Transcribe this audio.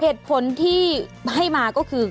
เหตุผลที่ให้มาก็คือ